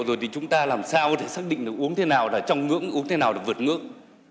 rượu rồi thì chúng ta làm sao để xác định uống thế nào là trong ngưỡng uống thế nào là vượt ngưỡng